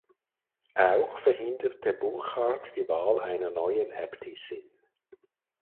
Auch verhinderte Burchard die Wahl einer neuen Äbtissin.